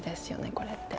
これって。